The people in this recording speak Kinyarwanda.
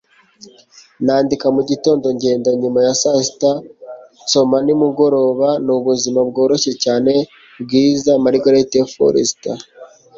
nandika mu gitondo, ngenda nyuma ya saa sita nsoma nimugoroba. ni ubuzima bworoshye cyane, bwiza. - margaret forster